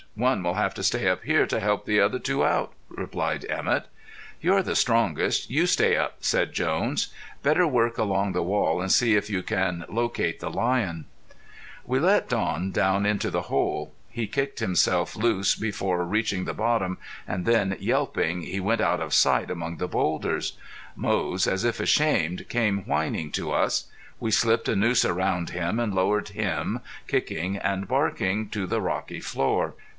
One will have to stay up here to help the other two out," replied Emett. "You're the strongest; you stay up," said Jones. "Better work along the wall and see if you can locate the lion." [Illustration: ON THE WAY HOME] [Illustration: RIDING WITH A NAVAJO] We let Don down into the hole. He kicked himself loose before reaching the bottom and then, yelping, he went out of sight among the boulders. Moze, as if ashamed, came whining to us. We slipped a noose around him and lowered him, kicking and barking, to the rocky floor.